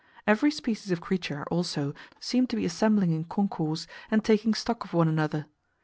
Every species of creature also seemed to be assembling in concourse, and taking stock of one another.